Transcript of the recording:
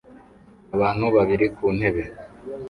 Abantu babiri ku ntebe